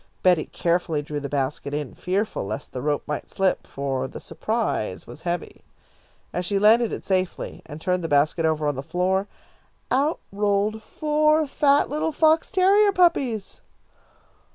Betty carefully drew the basket in, fearful lest the rope might slip, for "the surprise" was heavy. As she landed it safely and turned the basket over on the floor, out rolled four fat little fox terrier puppies.